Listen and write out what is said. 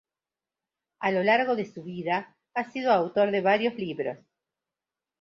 A lo largo de su vida ha sido autor de varios libros.